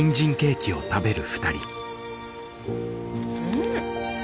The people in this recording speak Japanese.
うん！